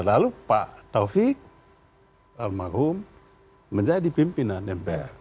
lalu pak taufik almarhum menjadi pimpinan mpr